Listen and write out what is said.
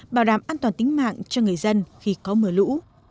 bảo đảm an toàn tính mạng cho người dân khi có mưa lũ